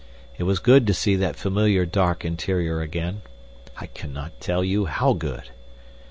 It was good to see that familiar dark interior again! I cannot tell you how good.